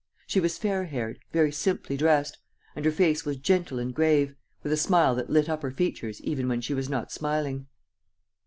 She was fair haired, very simply dressed; and her face was gentle and grave, with a smile that lit up her features even when she was not smiling.